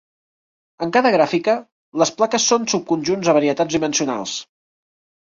En cada gràfica, les plaques són subconjunts de varietats dimensionals.